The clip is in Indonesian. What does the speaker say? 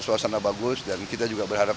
suasana bagus dan kita juga berharap